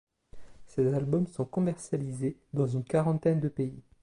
Ses albums sont commercialisés dans une quarantaine de pays.